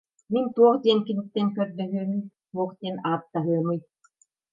Мин туох диэн киниттэн көрдөһүөмүй, туох диэн ааттаһыамый.